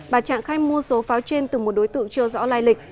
bà trạng khai mua số pháo trên từ một đối tượng chưa rõ lai lịch